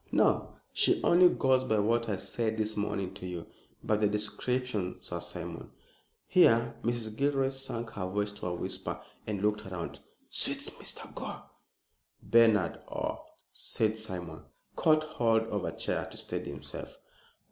"No. She only goes by what I said this morning to you. But the description, Sir Simon " Here Mrs. Gilroy sank her voice to a whisper and looked around "suits Mr. Gore." "Bernard! Ah!" Sir Simon caught hold of a chair to steady himself.